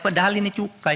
padahal ini cukai